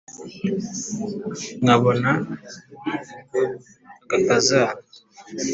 Nkabona agakazana